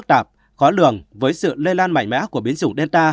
các tỉnh các tạp có lường với sự lây lan mạnh mẽ của biến chủng delta